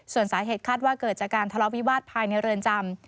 ส่วนสาเหตุคาดว่าเกิดจากการทะเลาะวิวาสภายในเรือนจำ